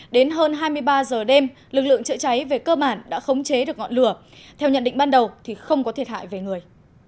đến hơn hai mươi ba giờ đêm lực lượng chữa cháy về cơ bản đã khống chế được ngọn lửa theo nhận định ban đầu thì không có thiệt hại về người